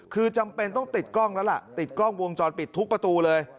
คือจำเป็นต้องติดกล้องแล้วล่ะติดกล้องวงจรปิดทุกประตูเลย